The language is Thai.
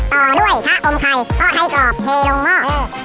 ต่อด้วยชะอมไข่พรูดให้กรอบเวลงเมาะ